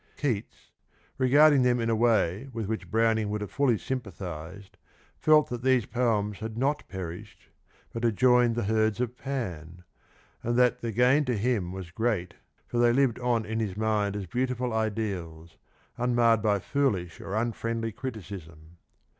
Keats, regarding them in a way with which Browning would have fully sympathised,^ felt that these poems had not perished, but had joined the herds of Pan, and that the gain to him was great for they lived on in his mind as beautiful ideals, unmarred by foolish or unfriendly criticism.